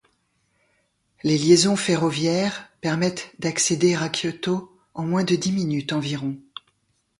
Les liaisons ferroviaires permettent d'accéder à Kyōto en moins de dix minutes environ.